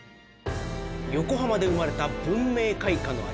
横浜で生まれた文明開化の味